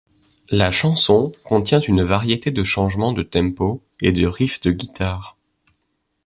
La chanson contient une variété de changements de tempo et de riffs de guitare.